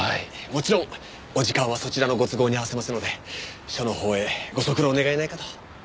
もちろんお時間はそちらのご都合に合わせますので署のほうへご足労願えないかと。